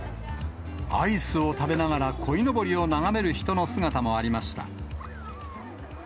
アイスを食べながらこいのぼりを眺める人の姿もありました。